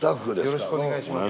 よろしくお願いします。